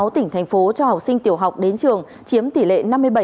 bốn mươi sáu tỉnh thành phố cho học sinh tiểu học đến trường chiếm tỷ lệ năm mươi bảy ba mươi tám